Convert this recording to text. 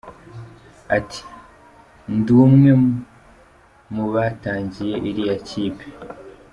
Ati “Ndi umwe mu batangiye iriya kipe.